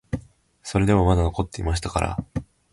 それでもまだ残っていましたから、